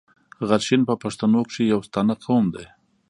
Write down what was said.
غرشین په پښتنو کښي يو ستانه قوم دﺉ.